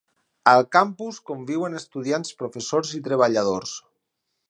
Al Campus conviuen estudiants, professors i treballadors